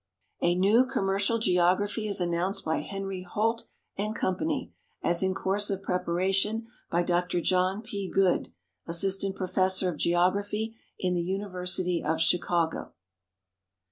A new commercial geography is announced by Henry Holt & Co. as in course of preparation by Dr. John P. Goode, assistant professor of geography in the University of Chicago.